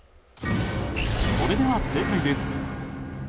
それでは正解です。